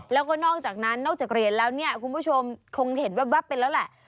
แล้วก็นอกจากนั้นนอกจากเหรียญแล้วเนี่ยคุณผู้ชมคงเห็นแว๊บไปแล้วแหละ